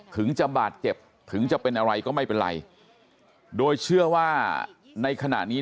ถึงจะบาดเจ็บถึงจะเป็นอะไรก็ไม่เป็นไรโดยเชื่อว่าในขณะนี้